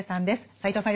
斎藤さん